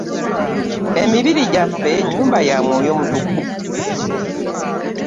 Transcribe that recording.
Emibiri gyaffe nnyumba ya mwoyo mutukuvu